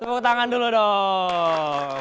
tepuk tangan dulu dong